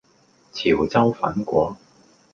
潮州粉果